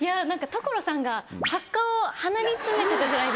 所さんがハッカを鼻に詰めてたじゃないですか。